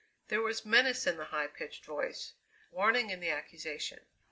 There was menace in the high pitched voice; warning in the accusation.